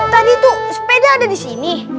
tadi itu sepeda ada di sini